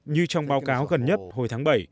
như trong báo cáo gần nhất hồi tháng bảy